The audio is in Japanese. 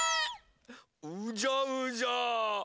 うじゃうじゃ。